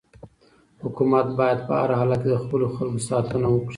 حکومت باید په هر حالت کې د خپلو خلکو ساتنه وکړي.